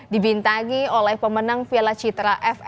dibintangi oleh pemenang viala citra ffi dua ribu dua puluh dua